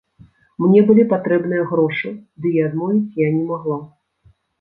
Мне былі патрэбныя грошы, ды і адмовіць я не магла.